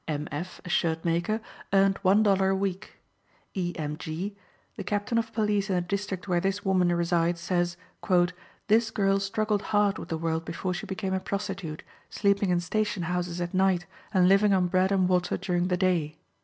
M. F., a shirt maker, earned one dollar a week. E. M. G.: the captain of police in the district where this woman resides says, "This girl struggled hard with the world before she became a prostitute, sleeping in station houses at night, and living on bread and water during the day."